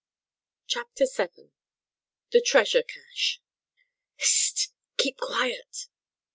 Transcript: CHAPTER VII THE TREASURE CACHE "H'st! keep quiet!"